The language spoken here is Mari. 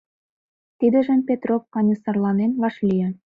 Тидыжым Петроп каньысырланен вашлие.